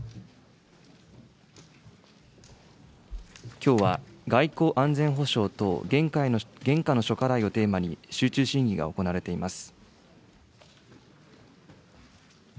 きょうは外交・安全保障等現下の諸課題をテーマに集中審議が行われています。